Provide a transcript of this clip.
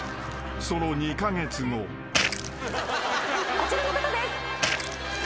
・あちらの方です。